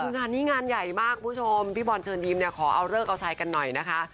งานนี้งานใหญ่มากพี่บอลเชิญยิ้มขอเอาเลิกเอาชัยกันหน่อยนะคะ